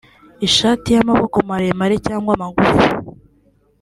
ishati y’amaboko maremare cyagwa magufi